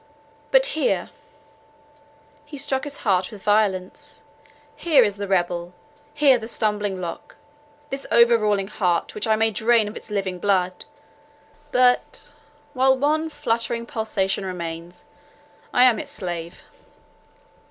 But here," and he struck his heart with violence, "here is the rebel, here the stumbling block; this over ruling heart, which I may drain of its living blood; but, while one fluttering pulsation remains, I am its slave."